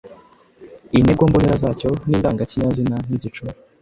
Intego mbonera zacyo ni indangakinyazina n’igicumbi .